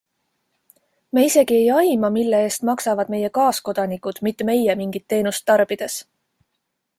Me isegi ei aima, mille eest maksavad meie kaaskodanikud, mitte meie mingit teenust tarbides.